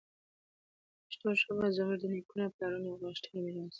پښتو ژبه زموږ د نیکونو او پلارونو یوه غښتلې میراث ده.